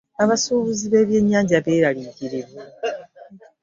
Abasuubuzi b'ebyennyanja beeraliikivu.